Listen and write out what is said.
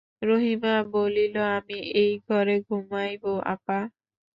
রহিমা বলল, আমি এই ঘরে ঘুমাইব আপা?